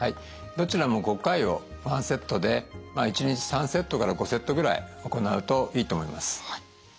どちらも５回を１セットで１日３セットから５セットぐらい行うといいと思います。